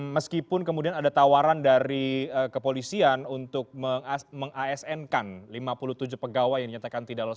meskipun kemudian ada tawaran dari kepolisian untuk meng asn kan lima puluh tujuh pegawai yang dinyatakan tidak lulus